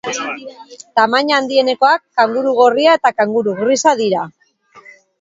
Tamaina handienekoak kanguru gorria eta kanguru grisa dira.